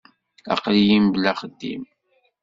Aql-iyi mebla axeddim.